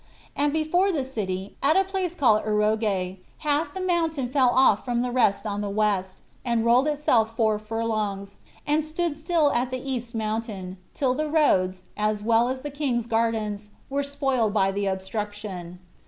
And before the city, at a place called Eroge, half the mountain broke off from the rest on the west, and rolled itself four furlongs, and stood still at the east mountain, till the roads, as well as the king's gardens, were spoiled by the obstruction.